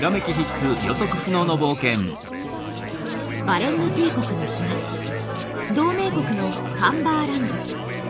バレンヌ帝国の東同盟国のカンバーランド。